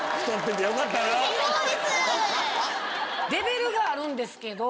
レベルがあるんですけど。